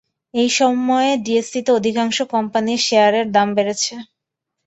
এই সময়ে ডিএসইতে অধিকাংশ কোম্পানির শেয়ারের দাম বেড়েছে।